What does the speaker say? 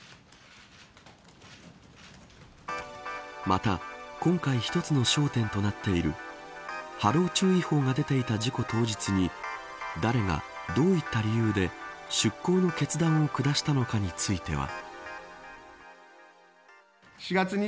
また今回一つの焦点となっている波浪注意報が出ていた事故当日に誰がどういった理由で出港の決断を下したのかについては。